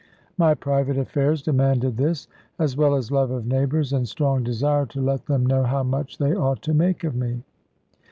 My private affairs demanded this; as well as love of neighbours, and strong desire to let them know how much they ought to make of me.